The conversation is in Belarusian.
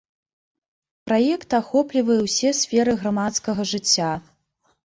Праект ахоплівае ўсе сферы грамадскага жыцця.